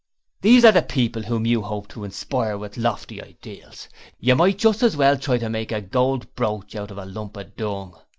These are the people whom you hope to inspire with lofty ideals! You might just as well try to make a gold brooch out of a lump of dung!